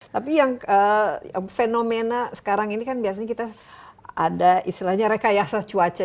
tapi yang fenomena sekarang ini kan biasanya kita ada istilahnya rekayasa cuaca